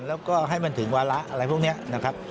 แล้วก็ให้มันถึงวาระอะไรพวกนี้นะครับ